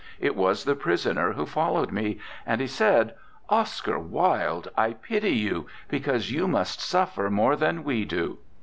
It was the prisoner who followed me, and he said, "Oscar Wilde, I pity you, because you must suffer more than we do."